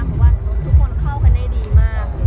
เพราะว่าทุกคนเข้ากันได้ดีมาก